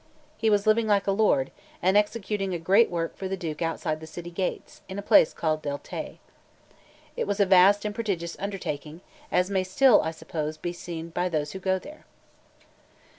He was living like a lord, and executing a great work for the Duke outside the city gates, in a place called Del Te. It was a vast and prodigious undertaking, as may still, I suppose, be seen by those who go there.